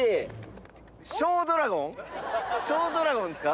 小ドラゴンですか？